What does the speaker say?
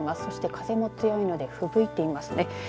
そして風も強いのでふぶいていますね。